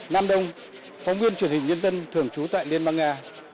nam đông phóng viên truyền hình nhân dân thường trú tại liên bang nga